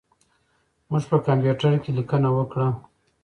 موږ په کمپیوټر کې لیکنه وکړه.